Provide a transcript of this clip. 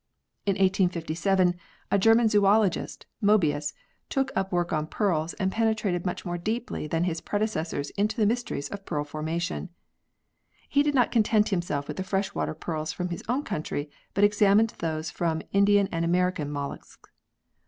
vin] THE ORIGIN OF PEARLS 97 In 1857, the German zoologist Moebius took up work on pearls and penetrated much more deeply than his predecessors into the mysteries of pearl formation. He did not content himself with the fresh water pearls from his own country but examined those from Indian and American molluscs.